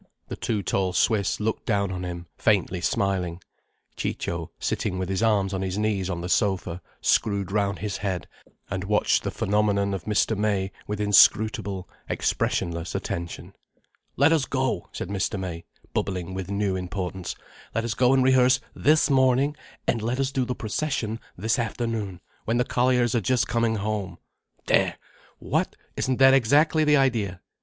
The two tall Swiss looked down on him, faintly smiling. Ciccio, sitting with his arms on his knees on the sofa, screwed round his head and watched the phenomenon of Mr. May with inscrutable, expressionless attention. "Let us go," said Mr. May, bubbling with new importance. "Let us go and rehearse this morning, and let us do the procession this afternoon, when the colliers are just coming home. There! What? Isn't that exactly the idea?